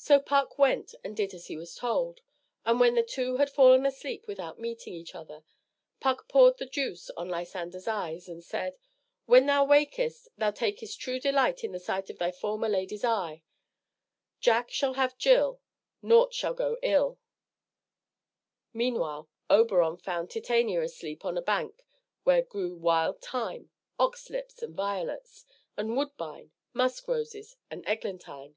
So Puck went and did as he was told, and when the two had fallen asleep without meeting each other, Puck poured the juice on Lysander's eyes, and said: "When thou wakest, Thou takest True delight In the sight Of thy former lady's eye: Jack shall have Jill; Nought shall go ill." Meanwhile Oberon found Titania asleep on a bank where grew wild thyme, oxlips, and violets, and woodbine, musk roses and eglantine.